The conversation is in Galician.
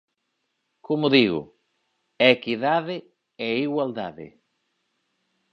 Como digo, equidade e igualdade.